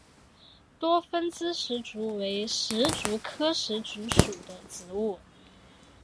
多分枝石竹为石竹科石竹属的植物。